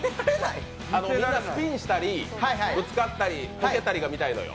みんなスピンしたりぶつかったり、こけたりが見たいのよ。